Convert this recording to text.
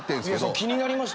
・気になりました。